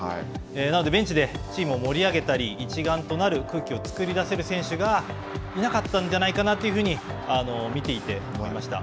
なので、ベンチでチームを盛り上げたり、一丸となる空気を作り出せる選手がいなかったんじゃないかなというふうに見ていて思いました。